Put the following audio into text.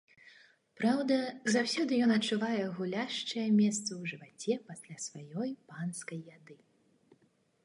Праўда, заўсёды ён адчувае гуляшчае месца ў жываце пасля сваёй панскай яды.